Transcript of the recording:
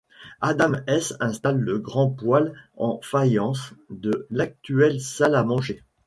Adam Hess installe le grand poêle en faïence de l’actuelle salle à manger.